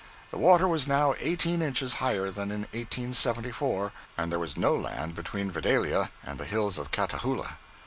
The water was now eighteen inches higher than in 1874, and there was no land between Vidalia and the hills of Catahoula.